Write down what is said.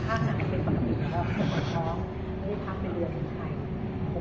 ท่าขนาดเป็นปกติแล้วสองท้องไม่ได้พักเป็นเรือเป็นใคร